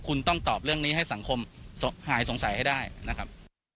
คุณต้องตอบเรื่องนี้ให้สังคมหายสงสัยให้ได้นะครับ